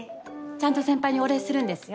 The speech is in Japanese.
ちゃんと先輩にお礼するんですよ。